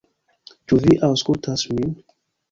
"Ĉu vi aŭskultas min?"